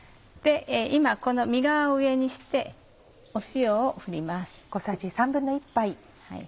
今身側を上にして塩を振ります。